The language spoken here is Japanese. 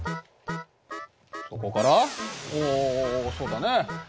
ここからおうおうそうだね。